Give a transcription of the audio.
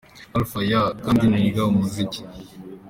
Alpha : Yeah ! Kandi niga umuziki ?.